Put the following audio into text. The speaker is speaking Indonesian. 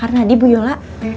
karena di bu yola